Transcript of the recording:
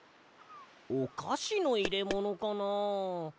おかしのいれものかな？